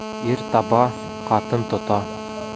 Ир таба, ҡатын тота.